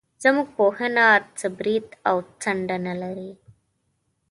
زموږ پوهنه څه برید او څنډه نه لري.